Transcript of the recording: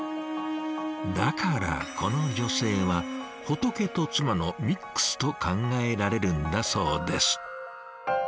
だからこの女性は仏と妻のミックスと考えられるんだそうです。